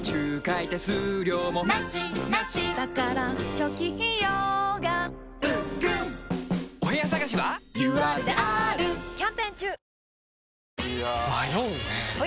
いや迷うねはい！